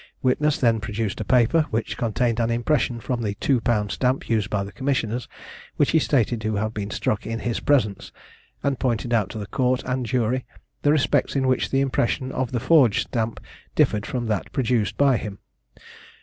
Witness then produced a paper which contained an impression from the II Pound stamp used by the commissioners, which he stated to have been struck in his presence, and pointed out to the court and jury the respects in which the impression of the forged stamp differed from that produced by him.